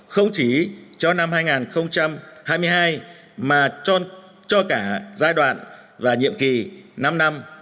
không chỉ cho năm hai nghìn hai mươi hai mà cho cả giai đoạn và nhiệm kỳ năm năm hai nghìn hai mươi một hai nghìn hai mươi năm